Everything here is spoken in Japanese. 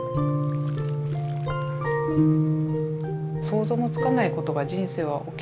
想像もつかないことが人生は起きる。